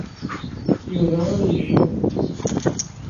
Yuba ad yejji.